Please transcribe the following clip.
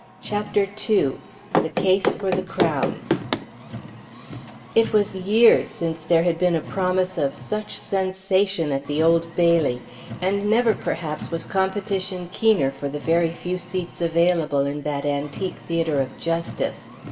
CHAPTER II THE CASE FOR THE CROWN It was years since there had been a promise of such sensation at the Old Bailey, and never, perhaps, was competition keener for the very few seats available in that antique theatre of justice.